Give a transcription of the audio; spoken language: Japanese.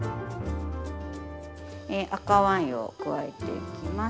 赤ワインを加えていきます。